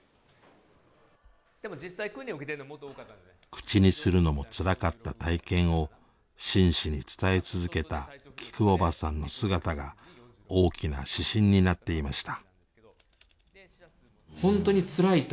口にするのもつらかった体験を真摯に伝え続けたきくおばさんの姿が大きな指針になっていました。